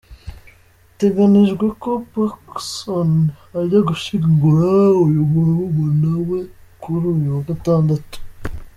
Biteganijwe ko Pacson ajya gushyingura uyu murumuna we kuri uyu wa Gatandatu.